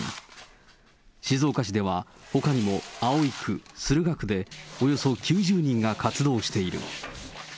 静岡市では、ほかにも葵区、駿河区で、およそ９０人が活動している。